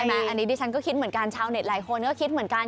อันนี้ดิฉันก็คิดเหมือนกันชาวเน็ตหลายคนก็คิดเหมือนกัน